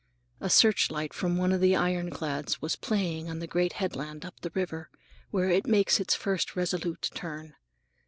A searchlight from one of the ironclads was playing on the great headland up the river, where it makes its first resolute turn.